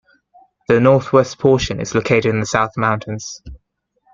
The northwest portion is located in the South Mountains.